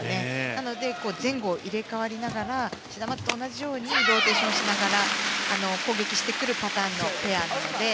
なので、前後入れ替わりながらシダマツと同じようにローテーションしながら攻撃してくるパターンのペアなので。